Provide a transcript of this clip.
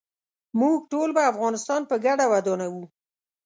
موږ ټول به افغانستان په ګډه ودانوو.